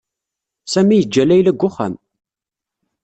Sami yeǧǧa Layla deg uxxam.